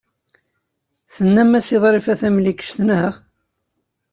Tennamt-as i Ḍrifa Tamlikect, naɣ?